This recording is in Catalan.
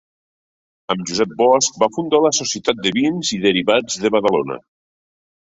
Amb Josep Bosch va fundar la Societat de Vins i Derivats de Badalona.